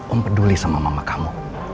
om peduli sama mama kamu